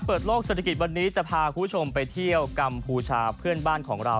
เปิดโลกเศรษฐกิจวันนี้จะพาคุณผู้ชมไปเที่ยวกัมพูชาเพื่อนบ้านของเรา